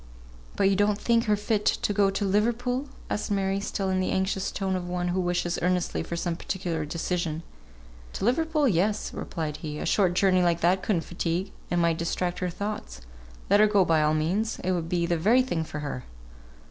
"But you don't think her fit to go to Liverpool?" asked Mary, still in the anxious tone of one who wishes earnestly for some particular decision. "To Liverpool yes," replied he. "A short journey like that could not fatigue, and might distract her thoughts. Let her go by all means, it would be the very thing for her."